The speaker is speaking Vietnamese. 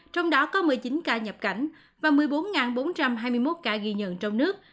trong đó có một mươi chín ca nhập cảnh và một mươi bốn bốn trăm hai mươi một ca ghi nhận trong nước